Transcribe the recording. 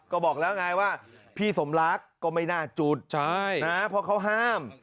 ก็บอกแล้วไงว่าพี่สมรักก็ไม่น่าจุดเพราะเขาห้าม